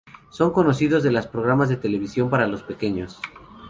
Son conocidos de las programas de la televisión para los pequeños.